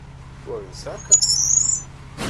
Ko viņi saka?